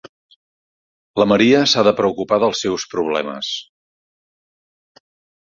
La Maria s'ha de preocupar dels seus problemes.